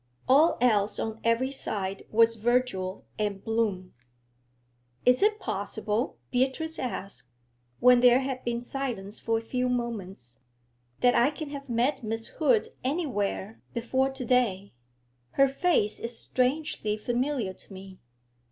All else on every side was verdure and bloom. 'Is it possible,' Beatrice asked, when there had been silence for a few moments, 'that I can have met Miss Hood anywhere before to day? Her face is strangely familiar to me.'